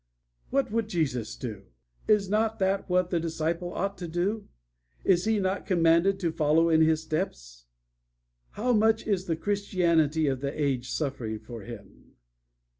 "What would Jesus do? Is not that what the disciple ought to do? Is he not commanded to follow in His steps? How much is the Christianity of the age suffering for Him?